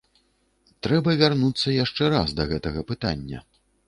Трэба вярнуцца яшчэ раз да гэтага пытання.